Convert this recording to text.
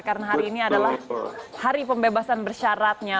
karena hari ini adalah hari pembebasan bersyaratnya